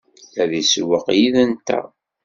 Ad isewweq yid-nteɣ?